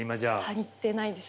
足りてないです